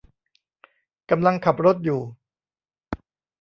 กำลังขับรถอยู่